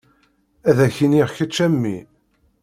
Ad ak-iniɣ kečč a mmi.